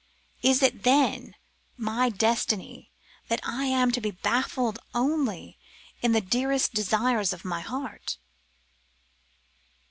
Is it then my destiny that I am to be baffled only in the dearest desires of my heart?